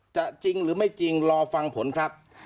จริงหรือไม่จริงรอฟังผลครับ